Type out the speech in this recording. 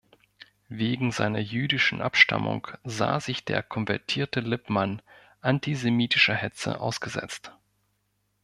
Wegen seiner jüdischen Abstammung sah sich der konvertierte Lippmann antisemitischer Hetze ausgesetzt.